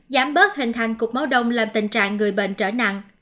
giảm bớt hình thành cục máu đông làm tình trạng người bệnh trở nặng